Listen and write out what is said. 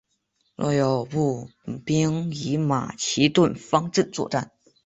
夥友步兵以马其顿方阵作战。